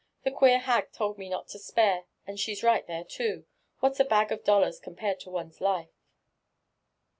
The queer hag told me not to spare— and she's right there too,— what's a bag of dollars compared to one's life?".